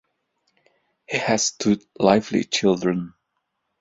He has two lively children.